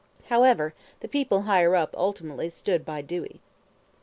However, the people higher up ultimately stood by Dewey.